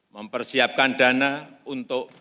mempersiapkan dana untuk